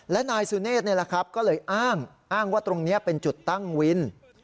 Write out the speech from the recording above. และนายสุเนธก็เลยอ้างอ้างว่าตรงนี้เป็นจุดตั้งวิน